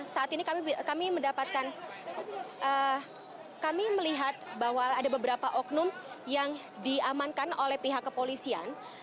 saat ini kami mendapatkan kami melihat bahwa ada beberapa oknum yang diamankan oleh pihak kepolisian